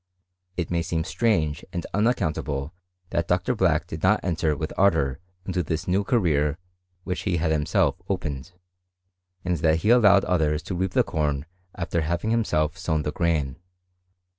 It may seem strange and unaccountable that Dr. Black did not enter with ardour into this new career which he had himself opened, and that he allowed others to reap the corn after having himself sown the grain.